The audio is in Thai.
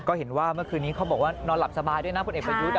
ก็เห็นว่าเมื่อคืนนี้เขาบอกว่านอนหลับสบายด้วยนะพลเอกประยุทธ์